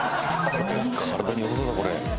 体に良さそうだこれ。